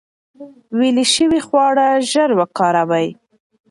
ویلې شوي خواړه ژر وکاروئ.